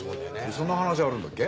そんな話あるんだっけ？